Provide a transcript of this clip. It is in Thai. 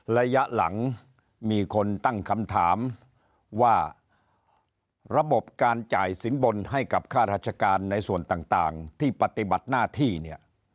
ระยะหลังมีคนตั้งคำถามว่าระบบการจ่ายสินบนให้กับค่าราชการในส่วนต่างที่ปฏิบัติหน้าที่เนี่ย